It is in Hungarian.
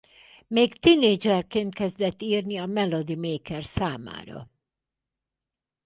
Még tinédzserként kezdett írni a Melody Maker számára.